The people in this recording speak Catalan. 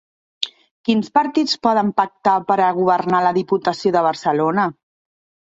Quins partits poden pactar per a governar la Diputació de Barcelona?